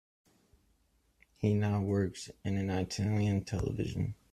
He now works in Italian television.